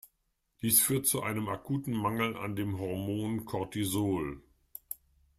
Dies führt zu einem akuten Mangel an dem Hormon Cortisol.